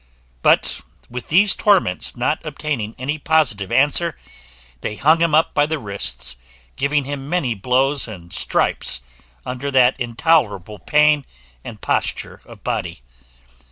But with these torments not obtaining any positive answer, they hung him up by the wrists, giving him many blows and stripes under that intolerable pain and posture of body.